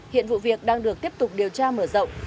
hiện vụ việc đang được tiếp tục điều tra mở rộng